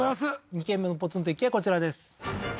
２軒目のポツンと一軒家はこちらです